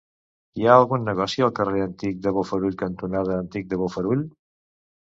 Hi ha algun negoci al carrer Antic de Bofarull cantonada Antic de Bofarull?